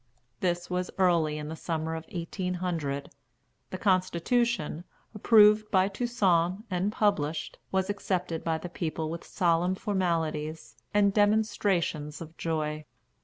This was early in the summer of 1800. The constitution, approved by Toussaint and published, was accepted by the people with solemn formalities and demonstrations of joy.